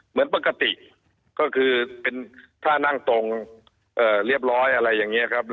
เหมือนปกติก็คือเป็นท่านั่งตรงเรียบร้อยอะไรอย่างนี้ครับ